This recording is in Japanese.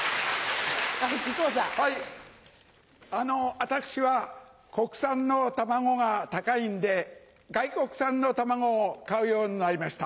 私は国産の卵が高いんで外国産の卵を買うようになりました。